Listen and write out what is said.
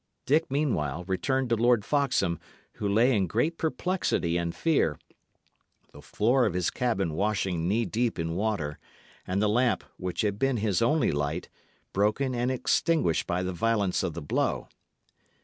Dick, meanwhile, returned to Lord Foxham, who lay in great perplexity and fear, the floor of his cabin washing knee deep in water, and the lamp, which had been his only light, broken and extinguished by the violence of the blow.